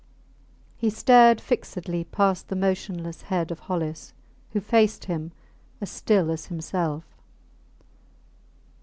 He stared fixedly past the motionless head of Hollis, who faced him, as still as himself.